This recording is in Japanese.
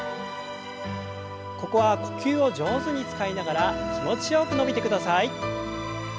ここは呼吸を上手に使いながら気持ちよく伸びてください。